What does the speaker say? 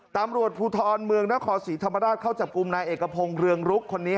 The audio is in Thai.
ตำรวจภูทรเมืองนครศรีธรรมราชเข้าจับกลุ่มนายเอกพงศ์เรืองรุกคนนี้